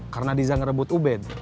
karena diza ngerebut ubed